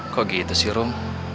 kok gitu sih rom